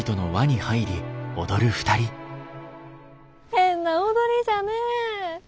変な踊りじゃねえ！